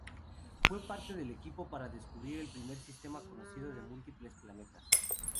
Fue parte del equipo para descubrir el primer sistema conocido de múltiples planetas.